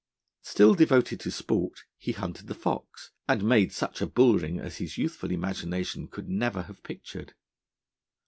Still devoted to sport, he hunted the fox, and made such a bull ring as his youthful imagination could never have pictured.